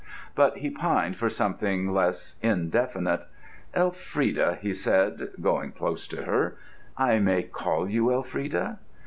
But he pined for something less indefinite. "Elfrida," he said, going close to her, "I may call you Elfrida?